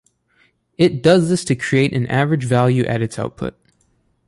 It does this to create an average value at its output.